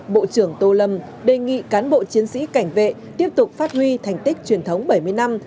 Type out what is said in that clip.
bộ trưởng tô lâm đề nghị cán bộ chiến sĩ cảnh vệ tiếp tục phát huy thành tích truyền thống bảy mươi năm